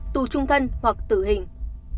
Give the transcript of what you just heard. tù trung thân hoặc tử hình